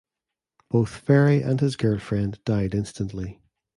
Both Ferry and his girlfriend died instantly.